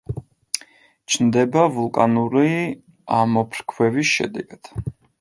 ჩნდება ვულკანური ამოფრქვევის შედეგად.